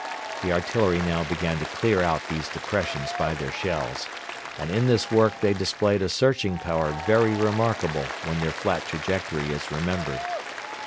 The artillery now began to clear out these depressions by their shells, and in this work they displayed a searching power very remarkable when their flat trajectory is remembered.